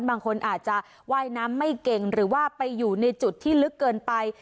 บางคนอาจจะว่ายน้ำไม่เก่งหรือว่าไปอยู่ในจุดที่ลึกเกินไป